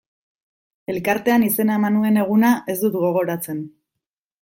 Elkartean izena eman nuen eguna ez dut gogoratzen.